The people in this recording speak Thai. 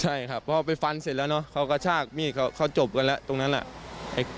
ใช่ครับเพราะไปฟันเสร็จแล้วเนอะเขาก็ชากมีดเขาจบกันแล้วตรงนั้นน่ะ